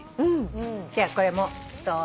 じゃあこれもどうぞ。